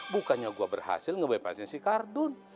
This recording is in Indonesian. bukannya gua berhasil ngebayar pasien si kardun